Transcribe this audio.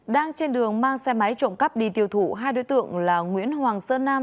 đang trên đường mang xe máy trộm cắp đi tiêu thụ hai đối tượng là nguyễn hoàng sơn nam